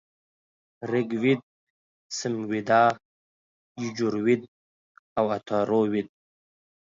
ریګ وید، سمویدا، یجوروید او اتارو وید -